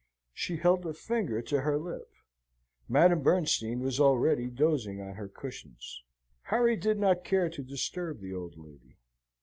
She held a finger to her lip. Madame Bernstein was already dozing on her cushions. Harry did not care to disturb the old lady.